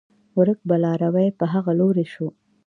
ورک به لاروی په هغه لوري شو